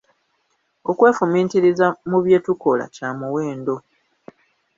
Okwefumintiriza mu bye tukola kya muwendo.